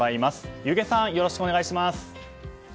弓削さん、よろしくお願いします。